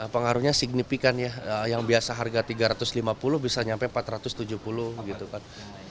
pengaruhnya signifikan ya yang biasa harga tiga ratus lima puluh bisa nyampe rp empat ratus tujuh puluh gitu kan